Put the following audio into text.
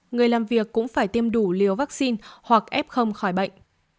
người làm việc cũng phải tiêm đủ liều vaccine hoặc ép không khỏi bệnh